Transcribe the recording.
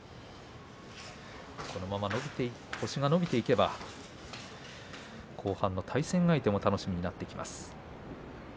このまま星が伸びていけば後半の対戦相手も楽しみになってきます。